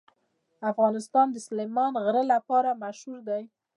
افغانستان د سلیمان غر لپاره مشهور دی.